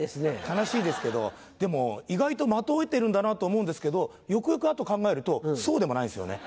悲しいですけどでも意外と的を射てるんだなと思うんですけどよくよくあと考えるとそうでもないんすよね。